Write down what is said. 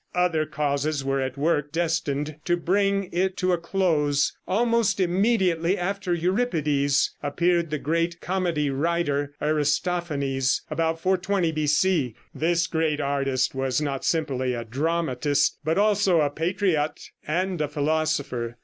Other causes were at work destined to bring it to a close. Almost immediately after Euripides, appeared the great comedy writer, Aristophanes, about 420 B.C. This great artist was not simply a dramatist, but also a patriot and a philosopher.